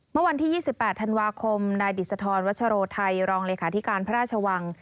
เมื่อวันที่๒๘ธันวาคมนายดิสธรวัชโรไทยรองเลขาธิการพระราชวัง